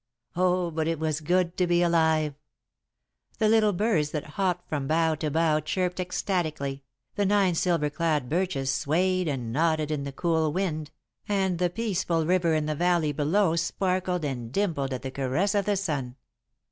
Oh, but it was good to be alive! The little birds that hopped from bough to bough chirped ecstatically, the nine silver clad birches swayed and nodded in the cool wind, and the peaceful river in the valley below sparkled and dimpled at the caress of the sun.